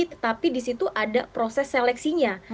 tetapi di situ ada proses seleksinya